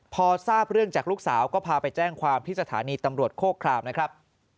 พอทราบเรื่องจากลูกสาวก็พาไปแจ้งความที่สถานีตำรวจโคครามนะครับ